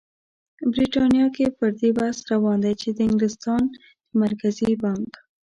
بریتانیا کې پر دې بحث روان دی چې د انګلستان د مرکزي بانک